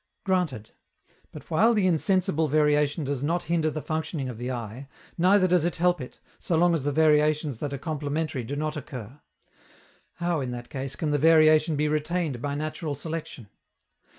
Granted; but while the insensible variation does not hinder the functioning of the eye, neither does it help it, so long as the variations that are complementary do not occur. How, in that case, can the variation be retained by natural selection?